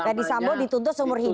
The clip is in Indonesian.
nah disambung dituntut seumur hidup